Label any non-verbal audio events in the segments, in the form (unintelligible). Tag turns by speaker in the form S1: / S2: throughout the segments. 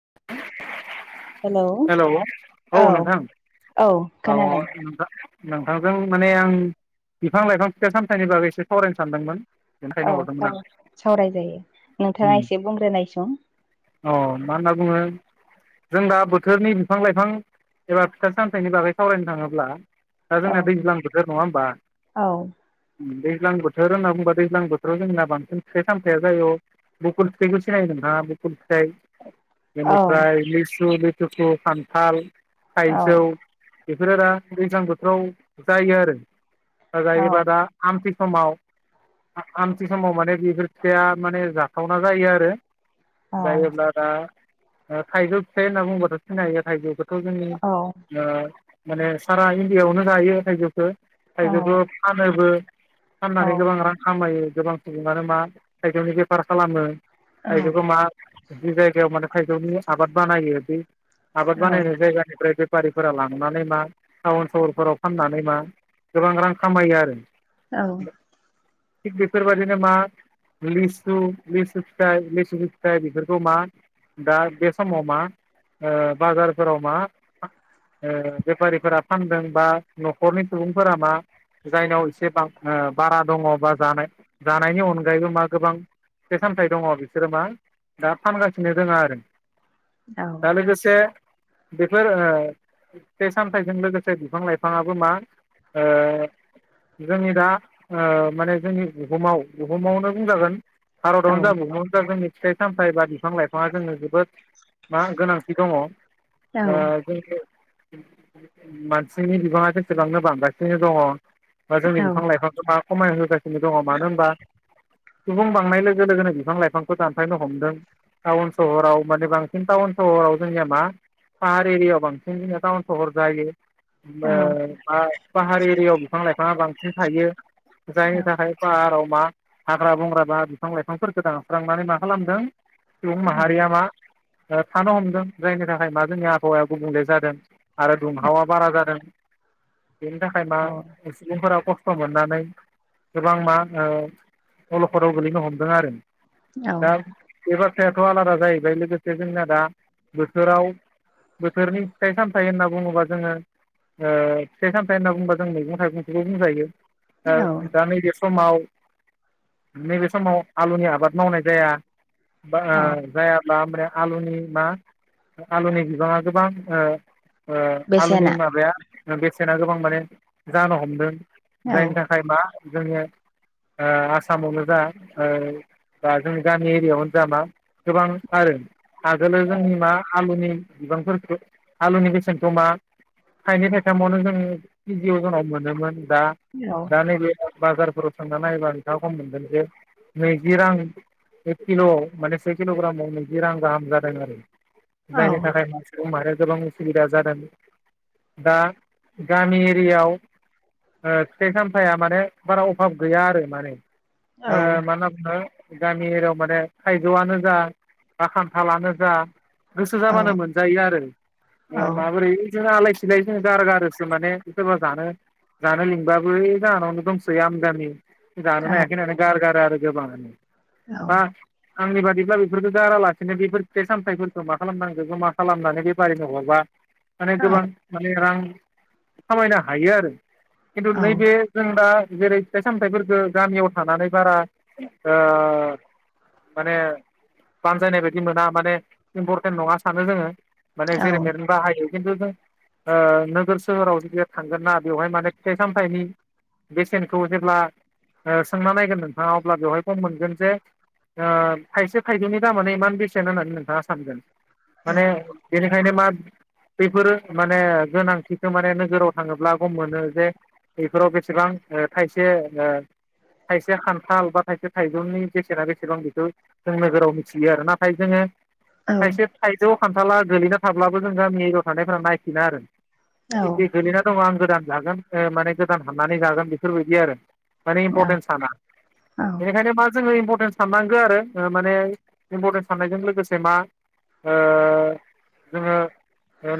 S1: (unintelligible)
S2: Hello औ नोंथां
S1: औ खोनादों
S2: औ नोंथां नोंथांजों माने आं बिफां-लाइफां फिथाइ-सामथायाइनि बागै एसे सावरायनो सानदोंमोन
S1: औ
S2: बेनिखायनो हरदोंमोन
S1: साव-सावरायजायो नोंथाङा
S2: आं
S1: एसे बुंग्रोनाय सुं
S2: अ मा होनना बुङो जों दा बो -थोरनि बिफां-लाइफां एबा फिथा-सामथायनि बागै सावरायनो थाङोब्ला दा
S1: औ
S2: जोंना दैज्लां बोथोर नङा होमबा
S1: औ
S2: दैज्लां बोथोर होनना बुंङोबा दैज्लां बोथोराव जोंना बांसिन फिथाइ-सामथायाइया जायो बुखल फिथायखौ सिनाय नोंथांङा बुखल फिथाइ
S1: औ
S2: बेनिफ्राय लिसु लिथुखु खान्थाल
S1: औ
S2: थाइजौ बेफोरो दा दैज्लां बोथोराव जायो आरो
S1: औ
S2: जायोबा दा आमथि समाव आमथि समाव माने बेफोर फिथाइया माने जाथावना जायो आरो
S1: औ
S2: जायोब्ला दा थाइजौ फिथाइ होनना बुंबाथ' सिनाय हायो थाइजौखो जोंनि ओ माने सारा इण्डियाआवनो जायो थायजौखो
S1: औ
S2: थायजौखौ फानोबो
S1: औ
S2: फाननानै गोबां रां खामायो गोबां सुबुङानो मा थाइजौनि बेफार खालामो थाइजौखौ मा जि जायगायाव माने थाइजौनि आबाद बानायो बे आबाद
S1: औ
S2: बानायनाय जायगानिफ्राय बे फारिफोरा लांनानै मा टाउन सहरफोराव फाननानै मा गोबां रां खामायो आरो थिग बेफोरबायाददिनो मा लिसु लिसु फिथाइ लिसु फिथाइ बेफोरखौ मा दा बे समाव मा ओ बाजारफोराव मा ओ बेफारिफोरा फानदों बा न'खरनि सुबुंफोरा मा जायनाव एसेबां बारा दङ बा जानाय जानायनि अनगायैबो मा गोबां फिथाइ सामथायाइ दङ बिसोरो मा दा फानगासिनो दोङो आरो दा लोगोसे बेफोर ओ फिथाइ-सामथायाइजों लोगोसे बिफां-लाइफाङाबो मा जोंनि दा माने जोंनि बुहुमाव बुहुमावनो बुंजागोन भारआवनो जा बुहुमावनो जा जोंनि फिथाइ-सामथाइ बा बिफां लाइफाङा जोंनो जोबोद मा गोनांथि दङ ओ मानसिनि बिबाङा जेसेबांनो बांगासिनो दङ बा जोंनि बिफां-लाइफांखौ मा खमाय होगासिनो दङ मानो होनबा सुबुं बांनाय लोगो लोगोनो बिफां लाइफांखौ दानफायनो हमदों टाउन सहराव माने बां टाउन सहराव जोंनिया मा पाहार एरियायाव बांसिन जोंनिया टाउन सहर जायो ओ पाहार एरियायाव बिफां-लाइफाङा बांसिन थायो जायनि थाखाय बाराव मा हाग्रा बंग्रा बा बिफां लाइफांफोर गोदानस्रांनानै मा खालामदों सुबुं माहारिया मा थानो हमदों जायनि थाखाय मा जोंनि आबहावाया गुबुंले जादों । आरो दुंहावा बारा जादों बेनि थाखाय
S1: औ
S2: मा? सुबुंफोरा खस्थ' मोननानै । गोबां मा ओ अलखदाव गोल्लैनो हमदों आरो '
S1: औ
S2: दा बे बाथ्रायाथ' आलादा जाहैबाय लोगोसे जोंना दा बोथोराव बोथोरनि फिथाइ सामथाइ होनना बुङोब्ला जोङो । ओ फिथाइ सामथायाइ होनना बुंङोबा जों मैगं-थाइगंखौबो बुंजायो ओ दा नैबे समाव नैबे समाव आलुनि आबाद मावनाय जाया बा
S1: औ
S2: जायाब्ला ओमबानिया आलुनि मा आलुनि बिबाङा गोबां ओ-ओ
S1: बेसेना
S2: आलुनि माबाया बेसेना गोबां माने जानो हमदों
S1: औ
S2: जायनि थाखाय मा जोंङो ओ आसामावनो जा बा जोंनि गामि एरियायावनो जा मा गोबां आरो । आगोल जोंनि मा आलुनि बिबांफोरखौ आलुनि बेसेनथ मा थाइनै थाइथामावनो जों केजियाव जोंनाव मोनोमोन दा
S1: औ
S2: दा नैबे बाजारफोराव सोंना नायोबा नोंथाङा खम मोनगोन जे नैजि रां एक किल'व माने से किल' ग्रामाव नैजि रां गाहाम जादों आरो
S1: औ
S2: जायनि थाखाय मानो गोबां उसुबिदा जादों दा गामि एरियाव फिथाइ सामथाया माने बारा अभाब गैया आरो माने
S1: औ
S2: मा होनना बुनो गामि एरियायाव माने थाइजौआनो जा बा खान्थालानो जा गोसो
S1: औ
S2: जाबानो मोनजायो आरो माबोरै बिदिनो सिलायजों गार गारोसो माने सोरबा जानो । जानो लिंबाबो ओइ जाहानावनो दंसै आमदामि जानोनो हायाखै नालाय गारगारो आरो गोबाङानो बा आंनि बादिब्ला बेफोरफोरखौ गारालाख बिदिनो बेफोर फिथाइ सामथाइफोरखौ मा खालामनांगौबो मा खालामनानै बे बारिनो हरबा माने गोबां । माने रां खामायनो हायो आरो खिन्थु नैबे जों दा जेरै फिथाइ सामथाइफोरखौ गामियाव थानानै बारा माने बानजायनाय बायदि मोना माने इम्परटेन्ट नङा सानो जोङो । माने जेरै बाहायो खिन्थुों नोगोर सोहोराव जुदि थांगोन ना बेवहाय माने फिथाइ सामथायाइनि । बेसेनखौ जेब्ला सोंना नायगोन नोंथाङा अब्ला बेवहायबो मोनगोन जे थाइसे थाइजौनि दामानो इमान बेसेन होननानै नोंथाङा सानगोन माने बेनिखायनो मा बेफोरो माने गोनांथिखौ माने नोजोराव थाङोब्ला गम मोनो जे बेफोराव बेसेबां थाइसे थाइसे खान्थाल बा थायसे थाइजौनि बेसेना बेसे दं बेखौ जों नोगोराव मिथियो आरोना । फाय जोङो
S1: औ
S2: थाइसे खायद'आव खान्थाला गोलैना थाब्लाबो जों गामि एरियायाव थानायफोरा नायफिना आरो
S1: औ
S2: बिदि गोलैना दङ आं गोदान जागोन माने गोदान हाननानै जागोन बेफोरबायदि आरो माने
S1: औ
S2: इम्परटेन्स साना बेनिखायनो मा जोङो इम्परटेन्स साननांगौ आरो माने इमपरटेन्स । साननायजों लोगोसे मा जोङो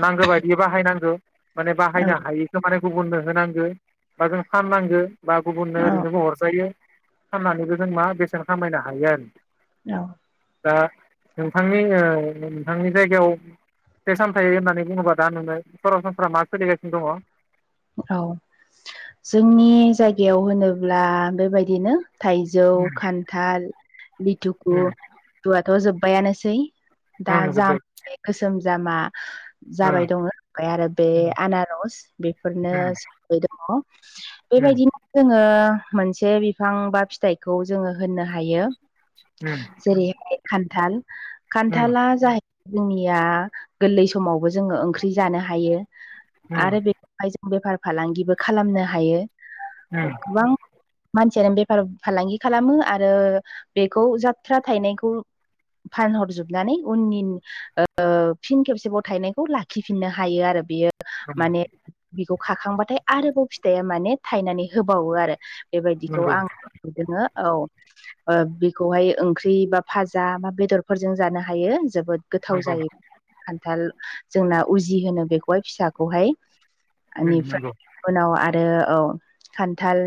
S2: नांगौ बायदियै बाहायनांगौ माने
S1: औ
S2: बाहायनो हायिखौ माने गुबुननो होनांगौ बा जों फाननांगो बा गुबुननो ओरैनोबो हरजायो फाननानैबो जों मा बेसेन खामायनो हायो आरो ।
S1: औ ।
S2: दा नोंथांनि नोंथांनि जायगायाव बे सामथाय होननानै बुङोबा (inaudible) सरासनफ्रा मा सोलिगासिनो दङ ।
S1: औ जोंनि जायगायाव होनोब्ला बेबायदिनो थाइजौ
S2: दङ
S1: खान्थाल लिथुकु
S2: उम
S1: फुवथ' जोब्बायानोसै । दा
S2: उम उम
S1: जाम
S2: जोब्बाय
S1: गोसोम जामा जाबाय दङ ओमफ्राय आरो बे
S2: उम।
S1: आनारस बे फोरनो
S2: उम
S1: स दङ
S2: उम
S1: बेबायदिनो जोङो मोनसे बिफां बा फिथाइखौ जोङो होननो हायो।
S2: हम
S1: जेरैहाय खान्थाल खान्थाला जाहैबाय जोंनिया गोरलै समावबो जोङो ओंख्रि जानो हायो
S2: उम
S1: आरो बे जों बेफार फालांगिबो खालामनो हायो
S2: उम
S1: गोबां मानसियानो बेफार फालांगि खालामो आरो बेखौ जाथ्रा थायनायखौ । फानहरजोबनानै उननि फिन खेबसेबाव थायनायखौ लाखिफिननो हायो आरो बेयो
S2: उम
S1: माने बिखौ खाखांबाथाय आरोबाव फिथाइया माने थायनानै होबावो आरो बेबायदिखौ
S2: नंगौ
S1: आंदोङो औ ओ बेखौहाय ओंख्रि बा फाजा बा बेदरफोरजों जानो हायो जोबोद गोथाव
S2: नंगौ
S1: जायो खान्थाल जोंना उजि होनो बेखौहाय फिसाखौहाय।
S2: उम
S1: बेनिफ्राय
S2: नंगौ
S1: उनाव आरो औ खान्थाल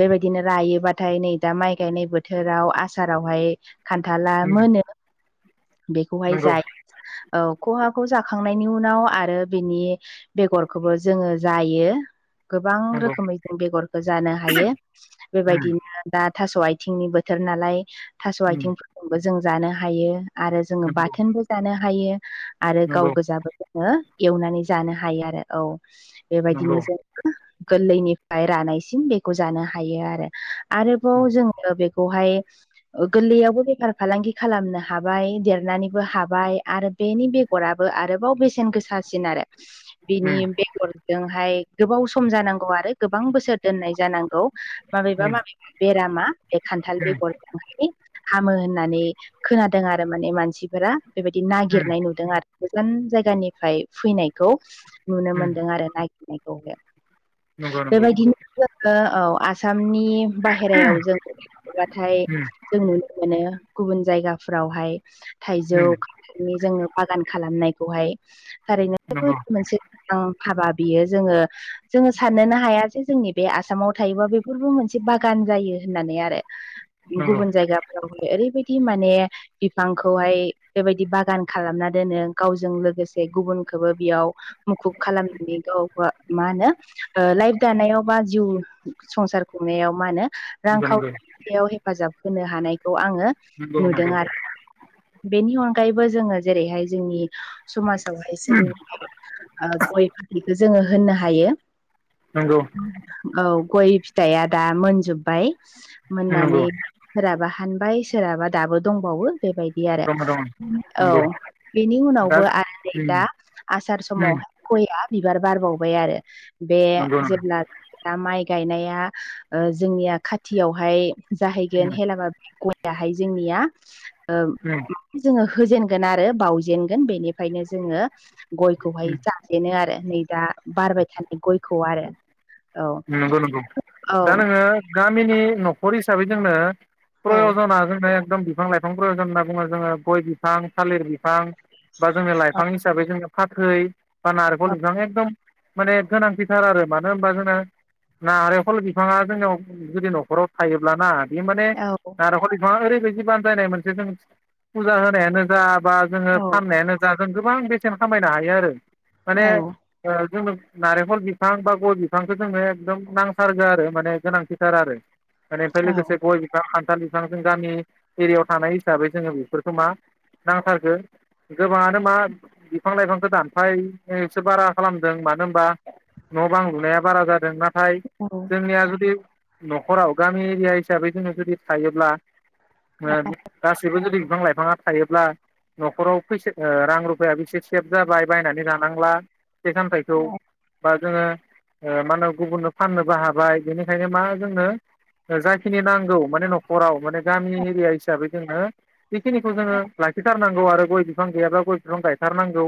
S1: बेबायदिनो रायोबाथाय नै दा माइ गायनाय बोथोराव आसारावहाय खान्थाला
S2: उम
S1: मोनो। बेखौहाय
S2: नंगौ
S1: जायो औ खहाखौ जाखांनायनि उनाव आरो बेनि बेगर खौबो जोङो जायो। गोबां
S2: नंगौ
S1: रोखोमै जों बेगरखौ जानो हायो
S2: उम
S1: बेबायदिनो दा थास' आथिंनि बोथोर नालाय थास'
S2: उम
S1: आथिंफोरखौबो जों जानो हायो। आरो जोङो बाथोनबो जानो हायो आरो गाव
S2: नंगौ
S1: गोजाबो जों एवनानै जानो हायो आरो औ
S2: नंगौ
S1: बेबायदिनो जों गोरलैनिफ्राय रानायसिम बेखौ जानो हायो आरो
S2: उम
S1: आरोबाव जोङो बेखौहाय गोरलैयावबो बेफार फालांगि खालामनो हाबाय देरनानैबो हाबाय आरो बेनि बेगराबो आरोबाव बेसेन गोसासिन आरो बिनि
S2: उम
S1: बेगरजोंहाय गोबाव सम जानांगौ आरो गोबां बोसोर दोननाय जानांगौ माबेबा माबेबा बेरामा बे खान्थाल
S2: उम
S1: बेगर हामो होननानै खोनादों आरो माने मानसि फोरा बेबायदि
S2: उम
S1: नागिरनाय नुदों आरो गोजान जायगानिफ्राय फैनायखौ। नुनो
S2: उम
S1: मोनदों आरो नायागिरनायखौहाय
S2: नंगौ नंगौ
S1: बेबायदिनो जोङो औ। आसामनि बाहेरायाव जोङो थोबाथाय
S2: उम
S1: जों नुनो मोनो गुबुन जायगाफोरावहाय थाइजौ
S2: उम
S1: जोङो बागान खालामनायखौहाय थारैनो जोबोद
S2: नंगौ
S1: मोनसे थां हाबा बियो जोङो जोङो साननोनो हाया जे जोंनि बे आसामाव थायोबा बेफोरबो मोनसे बागान जायो होननानै आरो
S2: नंगौ नंगौ
S1: गुबुन जायगा ओरैबायदि माने बिफांखौहाय बेबायदि बागान खालामना दोनो गावजों लोगोसे गुबुनखौबो बेयाव मुखुब खालामनाय गाव मा होनो ओ लाइफ दानायाव बा जिउ संसार खुंनायाव मा होनो
S2: नंगौ नंगौ
S1: रांखावरियाव हेफाजाब होनो हानायखौ आङो
S2: नंगौ
S1: नुदों आरो बेनि अनगायैबो जोङो जेरैहाय जोंनि समाजावहाय सोलि गय फाथिखौ जोङो होननो हायो।
S2: नंगौ।
S1: औ गय फिथाइया दा मोनजोब्बाय मोननानै सोरहाबा हानबाय सोरहाबा दाबो दंबावो बेबायदि आरो
S2: नंगौ दङ
S1: औ
S2: नंगौ
S1: बेनि
S2: दा
S1: उनावबो
S2: जों
S1: आरो नै
S2: उम
S1: दा आसार समाव
S2: उम
S1: गयआ बिबार बारबावबाय आरो बे
S2: नंगौ नंगौ
S1: जेब्ला दा माइ गायनाया जोंनिया खाथियावहाय जाहैगोन
S2: उम
S1: हेलाबा बेहाय जोंनिया ओ
S2: औ
S1: जोङो होजेनगोन आरो बाउजेनगोन बेनिफ्रायनो जोङो
S2: उम
S1: गयखौहाय जाजेनो आरो नै दा बारबाय थानाय गयखौ आरो। औ
S2: नंगौ नंगौ
S1: औ
S2: दा नोङो गामिनि न'खर हिसाबै जोंनो
S1: औ
S2: प्रयजना जोंनो एकदम बिफां लाइ संग्रयजन होनना बुङो जोङो गय बिफां थालिर बिफां बा जों
S1: औ
S2: लाइफां हिसाबै जों फाथै बा
S1: औ
S2: नारेंखल बिफां एकदम माने गोनांथिथार आरो मानो होनबा जोंना नारेंखल बिफाङा जोंनयाव जुदि न'खराव थायोब्लाना बे माने नारेंखल ओरैबायदि बानजायनाय मोनसे जों फुजा होनायानो जा बा जोङो
S1: औ
S2: फाननायानो जों गोबां बेसेन खामायनो हायो आरो माने ओ जोंनो नारेंखल बिफां बा गय बिफांखौ जोंनो एकदम नांथारगो आरो माने गोनांथिथार आरो माने ओमफ्राय
S1: औ
S2: लोगोसे गय फां खान्थाल बिफां जों गामि एरियायाव थानाय हिसाबै जोङो बेफोरखौ मा नांथारगो। गोबाङानो मा बिफां लाइफांखौ दानफायसो बारा खालामदों मानो होनबा न' बां लुनाया बारा जादों नाथाय
S1: औ
S2: जोंनिया जुदि न'खराव गामि एरिया हिसाबै जोङो जुदि थायोब्ला ओ गासैबो जुदि बिफां लाइफाङा थायोब्ला न'खराव फैसा रां रुफायाबो एसे सेभ जाबाय बायनानै लानांला। फिथाइ सामथाइखौ बा जोङो ओ मा होनो गुबुननो फाननोबो हाबाय बेनिखायनो मा जोंनो जाखिनि नांगौ माने न'खराव माने गामि एरिया हिसाबै जोङो बेखिनिखौ जोङो लाखिथारनांगौ आरो गय बिफां गैयाब्ला गय बिफां गायथारनांगौ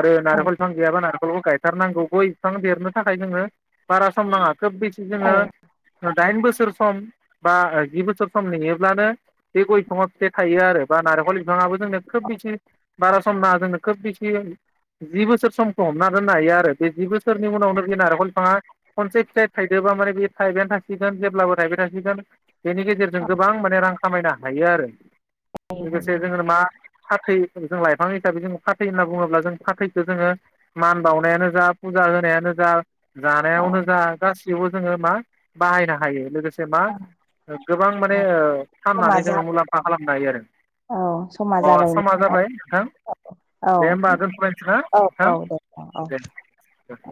S2: आरो
S1: औ
S2: नारेंखल बिफां गैयाबा नारेंखलखौ गायथारनांगौ गय बिफां देरनो था खाय जोङो बारा सम नाङा खोब बेसे
S1: औ
S2: जोङो दाइन बोसोर सम बा जि बोसोर सम नेयोब्लानो बे गय बिफाङा फिथाइ थायो आरो बा नारेंखल बिफाङआो जोंनो खोब बेसे बारा सम नाङा जोंनो खोब बिसि जि बोसोर समखौ हमना दोननो हायो आरो बे जि बोसोरनि उनावनो बे नारेंखल बिफाङा खनसे फिथाइ थाइदोबा माने बे थाइबायानो थासिगोन जेब्लाबो थाइबाय थासिगोन। बेनि गेजेरजों गोबां माने रां खामायनो हायो आरो, लोगोसे जोङो मा फाथै जों लाइफां हिसाबै जों फाथै होनना बुङोब्ला जों फाथैखौ जोङो मान बावनायानो जा फुजा होनायानो जा
S1: औ
S2: जानायावनो जा गासिबो जोङो मा बाहायनो हायो लोगोसे
S1: औ
S2: गोबां माने
S1: समा
S2: फाननानै जोङो
S1: जाबाय
S2: मुलाम्फा खालामनो हायो आरो।
S1: औ समा
S2: अ समा
S1: जाबायमोन
S2: जाबाय नोंथां।
S1: औ
S2: दे होमबा दोनथ' लायसै ना
S1: औ औ दे औ औ
S2: नोंथां दे।
S1: औ